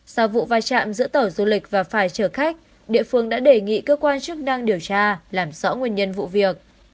sau vụ vai trạm giữa tàu du lịch và phải trở khách địa phương đã đề nghị cơ quan chức năng điều tra làm rõ nguyên nhân vụ việc